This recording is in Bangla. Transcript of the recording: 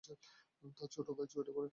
তার ছোট ভাই চুয়েটে পড়ে।